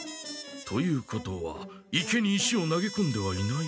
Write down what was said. ということは池に石を投げこんではいない？